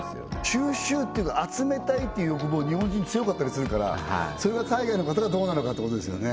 収集っていうか集めたいっていう欲望日本人強かったりするからそれが海外の方がどうなのかってことですよね